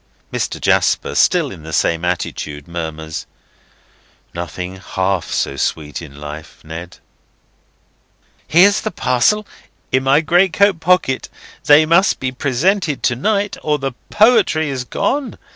Mr. Jasper, still in the same attitude, murmurs: "'Nothing half so sweet in life,' Ned!" "Here's the parcel in my greatcoat pocket. They must be presented to night, or the poetry is gone.